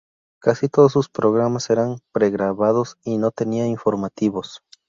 Casi todos sus programas eran pregrabados y no tenía informativos.